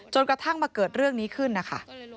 กระทั่งมาเกิดเรื่องนี้ขึ้นนะคะ